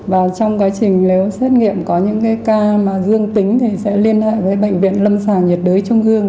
và trong quá trình nếu xét nghiệm có những cái ca mà dương tính thì sẽ liên hệ với bệnh viện lâm sàng nhiệt đới trung ương